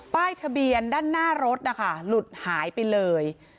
ป้ายทะเบียนด้านหน้ารถนะคะหลุดหายไปเลย